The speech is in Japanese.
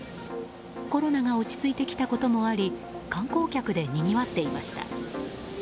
コロナが落ち着いてきたこともあり観光客でにぎわっていました。